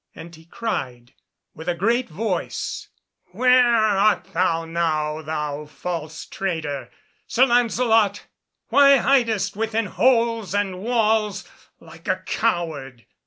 And he cried with a great voice, "Where art thou now, thou false traitor, Sir Lancelot? Why hidest within holes and walls like a coward?"